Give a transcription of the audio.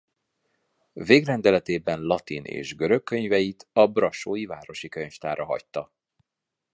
Végrendeletében latin és görög könyveit a brassói városi könyvtárra hagyta.